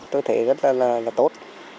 tôi thấy rất là tốt